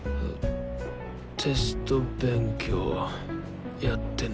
テスト勉強やってない。